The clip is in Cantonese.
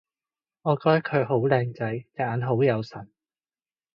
我覺得佢好靚仔！隻眼好有神